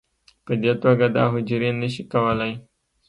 په دې توګه دا حجرې نه شي کولی